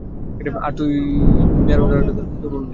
তুমি আর ওতোটা তরুণ নেই!